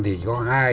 thì chỉ có khu vực